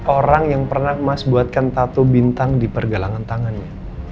orang yang pernah mas buatkan tato bintang di pergelangan tangannya